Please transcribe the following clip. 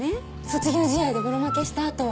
卒業試合でぼろ負けしたあと。